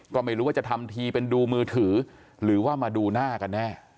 ก็ไม่รู้ว่าจะทำทีเป็นดูมือถือหรือว่ามาดูหน้ากันแน่